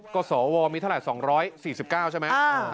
ก็สวมีเท่าไหร่๒๔๙ใช่ไหม